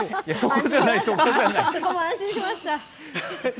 そこは安心しました。